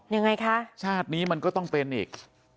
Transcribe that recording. ยังไงคะชาตินี้มันก็ต้องเป็นอีก